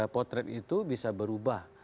potret itu bisa berubah